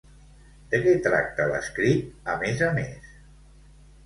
De què tracta l'escrit a més a més?